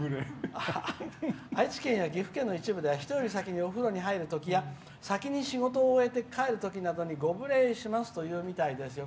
愛知県や岐阜県の一部では人より先にお風呂に入るときや先に仕事を終えて帰るときにご無礼しますと言うみたいですよ」。